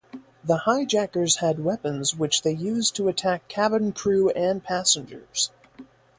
The hijackers had weapons which they used to attack cabin crew and passengers.